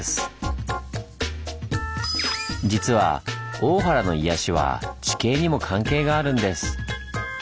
実は「大原の癒やし」は地形にも関係があるんです。